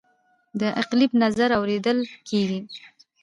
د اقلیت نظر اوریدل کیږي